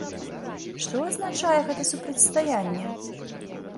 Што азначае гэта супрацьстаянне?